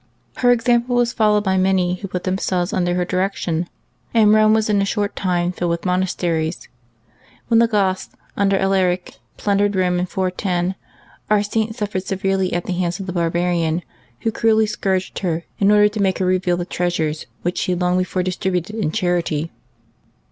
Her example was followed by many who put themselves under her direction, and Eome was in a short time filled with monasteries. When the Goths under Alaric plundered Eome in 410, our Saint suffered severely at the hands of the barbarian, who cruelly scourged her in order to make her reveal the treasures which she had long before dis tributed in charity.